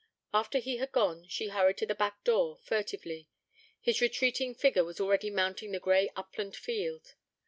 After he had gone, she hurried to the backdoor furtively. His retreating figure was already mounting the grey upland field.